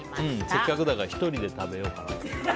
せっかくだから１人で食べようかなって。